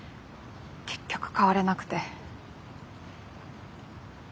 結局変われなくて。